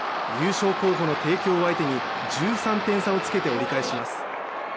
優勝候補の帝京相手に１３点差をつけて折り返します。